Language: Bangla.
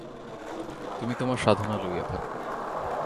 তুমি তোমার সাধনা লইয়া থাক।